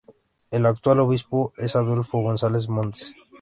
El actual obispo es Adolfo González Montes.